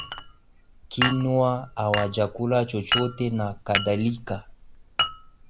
kinywa hawajakula chochote na kadhalika